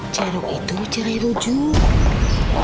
ceruk itu cerai rujuk